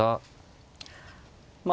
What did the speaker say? まあ